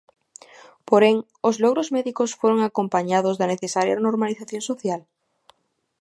Porén, os logros médicos foron acompañados da necesaria normalización social?